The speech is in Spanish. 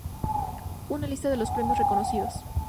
Una lista de los premios reconocidos.